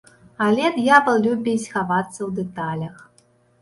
Але д'ябал любіць хавацца ў дэталях.